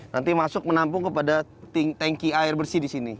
nanti masuk menampung kepada tanki air bersih di sini